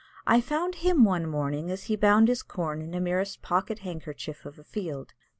I found him one morning as he bound his corn in a merest pocket handkerchief of a field.